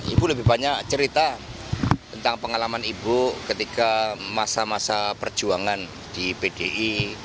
ibu lebih banyak cerita tentang pengalaman ibu ketika masa masa perjuangan di pdi